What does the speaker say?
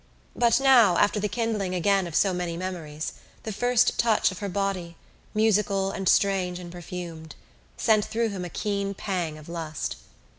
But now, after the kindling again of so many memories, the first touch of her body, musical and strange and perfumed, sent through him a keen pang of lust.